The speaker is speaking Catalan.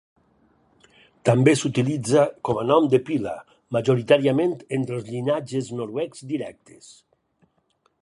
També s'utilitza com a nom de pila, majoritàriament entre els llinatges noruecs directes.